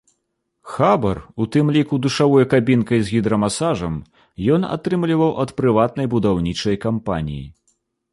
Хабар, у тым ліку душавой кабінкай з гідрамасажам, ён атрымліваў ад прыватнай будаўнічай кампаніі.